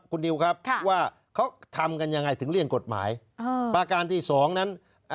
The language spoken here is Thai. คุณนิวครับว่าเขาทำกันยังไงถึงเลี่ยงกฎหมายอ่าประการที่สองนั้น